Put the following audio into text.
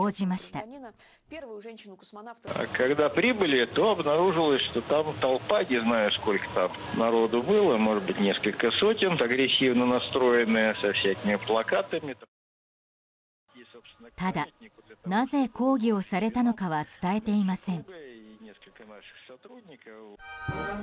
ただ、なぜ抗議をされたのかは伝えていません。